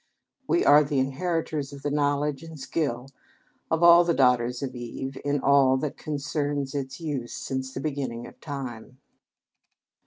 We are the inheritors of the knowledge and skill of all the daughters of Eve in all that concerns its use since the beginning of time.